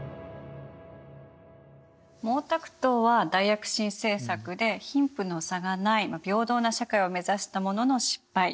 毛沢東は大躍進政策で貧富の差がない平等な社会を目指したものの失敗。